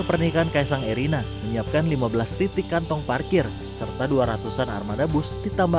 pernikahan kaisang erina menyiapkan lima belas titik kantong parkir serta dua ratus an armada bus ditambah